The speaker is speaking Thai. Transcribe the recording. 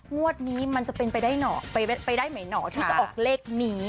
งวดนี้มันจะเป็นไปได้เหนาะที่จะออกเลขนี้